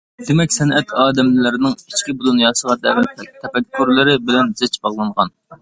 دېمەك، سەنئەت ئادەملەرنىڭ ئىچكى دۇنياسىغا تەۋە تەپەككۇرلىرى بىلەن زىچ باغلانغان.